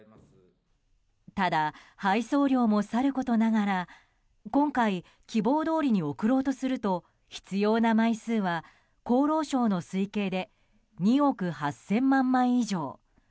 ただ、配送料もさることながら今回、希望どおりに送ろうとすると必要な枚数は、厚労省の推計で２億８０００万枚以上。